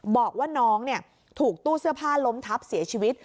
บอกว่าน้องถูกตู้เสื้อผ้าล้มทับเสียชีวิต